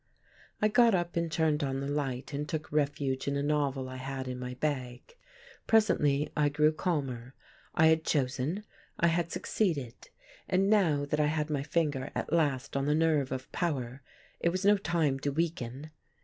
I got up and turned on the light, and took refuge in a novel I had in my bag. Presently I grew calmer. I had chosen. I had succeeded. And now that I had my finger at last on the nerve of power, it was no time to weaken.